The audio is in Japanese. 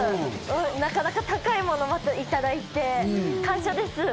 なかなか高いものをいただいて感謝です。